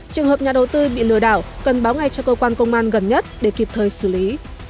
trường hợp nhà đầu tư bị lừa đảo cần báo ngay cho cơ quan công an gần nhất để kịp thời xử lý